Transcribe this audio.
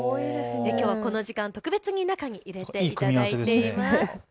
きょうはこの時間、特別に中に入れていただいています。